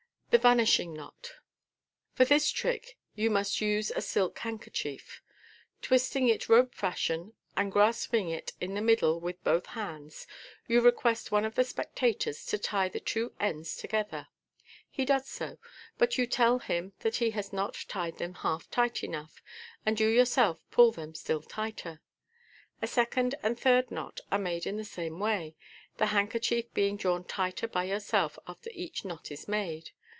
Thb Vanishing Knots. — For this trick you must use a silk handkerchief. Twisting it rope fashion, and grasping it by the middle with both hands, you request one of the spectators to tie the two ends together. He does so, but you tell him that he has not tied them half tight enough, and you yourself pull them still tighter. A second and a third knot are made in the same way, the handkerchief being drawn tighter by yourself after each knot is made.